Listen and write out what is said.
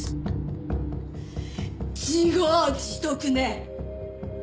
自業自得ね。